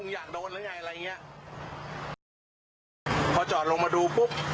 อยากโดนหรือไงอะไรอย่างเงี้ยพอจอดลงมาดูปุ๊บ